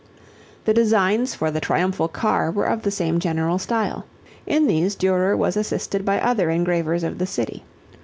The designs for The Triumphal Car were of the same general style. In these Durer was assisted by other engravers of the city.